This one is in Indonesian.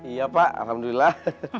iya pak alhamdulillah